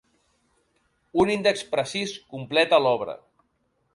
Un índex precís completa l'obra.